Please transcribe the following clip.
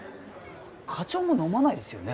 課長も飲まないですよね？